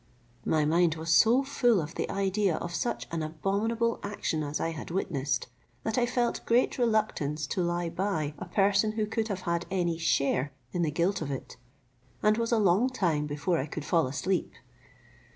My mind was so full of the idea of such an abominable action as I had witnessed, that I felt great reluctance to lie by a person who could have had any share in the guilt of it, and was a long time before I could fall asleep.